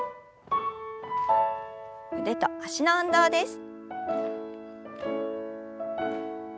腕と脚の運動です。